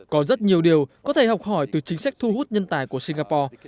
có rất nhiều điều có thể học hỏi từ chính sách thu hút nhân tài của singapore